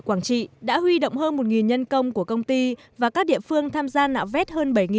quảng trị đã huy động hơn một nhân công của công ty và các địa phương tham gia nạo vét hơn